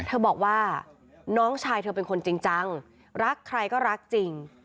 เธอบอกว่าน้องชายเธอเป็นคนจริงจังรักใครก็รักจริง